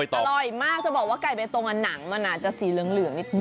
อร่อยมากท่อบว่าไก่เบตกนางมันน่ะจะสีเลืองนิดดิ